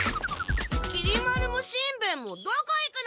きり丸もしんべヱもどこ行くの？